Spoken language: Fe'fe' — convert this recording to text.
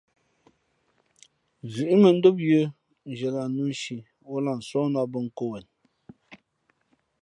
Zʉ̌ʼ mᾱndóm yə̌ nzhie lah nnū nshi ǒ lah nsóhnā bᾱ nkō wen.